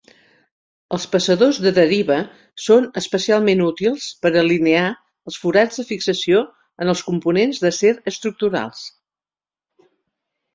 Els passadors de deriva són especialment útils per alinear els forats de fixació en els components d'acer estructurals.